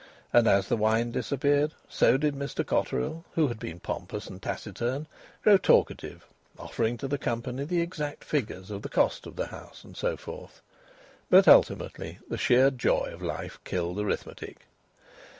And as the wine disappeared so did Mr Cotterill (who had been pompous and taciturn) grow talkative, offering to the company the exact figures of the cost of the house, and so forth. But ultimately the sheer joy of life killed arithmetic.